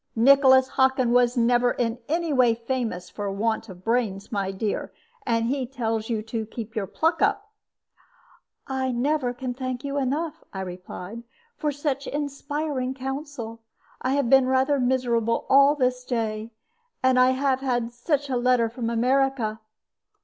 Nicholas Hockin was never in any way famous for want of brains, my dear, and he tells you to keep your pluck up." "I never can thank you enough," I replied, "for such inspiriting counsel. I have been rather miserable all this day. And I have had such a letter from America!"